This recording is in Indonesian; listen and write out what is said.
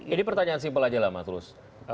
ini pertanyaan simpel aja lah mas tulus